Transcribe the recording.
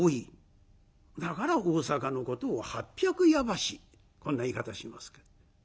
だから大阪のことを「八百八橋」こんな言い方します。